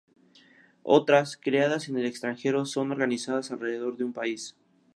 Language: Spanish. Otras, creadas en el extranjero, son organizadas alrededor de un país.